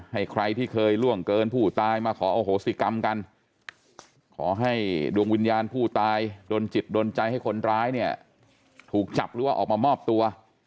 ให้ใครที่เคยล่วงเกินผู้ตายมาขอโอโหสิกรรมกันขอให้ดวงวิญญาณผู้ตายโดนจิตโดนใจให้คนร้ายเนี่ยถูกจับหรือว่าออกมามอบตัว